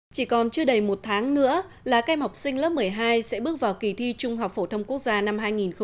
chỉ còn chưa đầy một tháng nữa là cây mọc sinh lớp một mươi hai sẽ bước vào kỳ thi trung học phổ thông quốc gia năm hai nghìn một mươi bảy